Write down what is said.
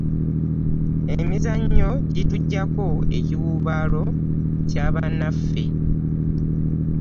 emizannyo gitujjako ekiwubalo kyabanaffe